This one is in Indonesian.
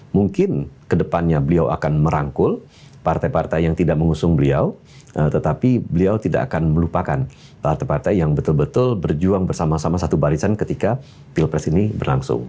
mungkin kedepannya beliau akan merangkul partai partai yang tidak mengusung beliau tetapi beliau tidak akan melupakan partai partai yang betul betul berjuang bersama sama satu barisan ketika pilpres ini berlangsung